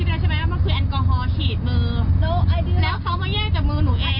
แล้วเขามีฉีดอะไรมาแย่งจากมือหนู